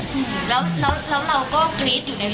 แล้วเราก็กรี๊ดอยู่ในรถเหรอ